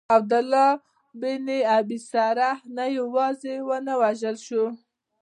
عبدالله بن ابی سرح نه یوازي ونه وژل سو.